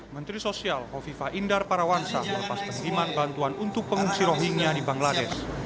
menteri sosial kofifa indar parawansa melepas pengiriman bantuan untuk pengungsi rohingya di bangladesh